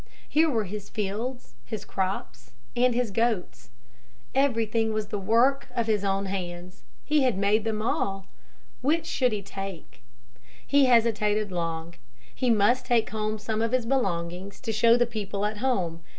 Here were his fields, his crops and his goats. Everything was the work of his own hands. He had made them all. Which should he take? He hesitated long. He must take home some of his belongings to show the people at home.